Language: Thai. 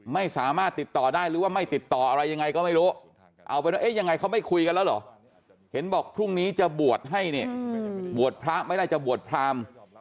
ไม่สามารถติดต่อได้หรือว่าไม่ติดต่ออะไรยังไงก็ไม่รู้เอาเป็นว่ายังไงเขาไม่คุยกันแล้วเหรอเห็นบอกพรุ่งนี้จะบวชให้เนี่ยบวชพระไม่ได้จะบวชพราม